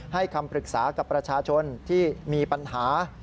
คำปรึกษากับประชาชนที่มีปัญหา